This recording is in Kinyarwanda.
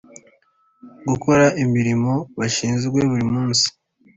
gukora imirimo bashinzwe buri munsi